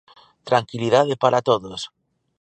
Tranquilidade para todos.